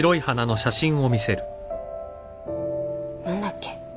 何だっけ？